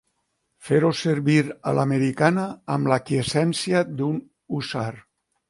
Fer-ho servir a l'americana amb l'aquiescència d'un hússar.